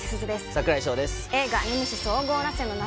櫻井翔です。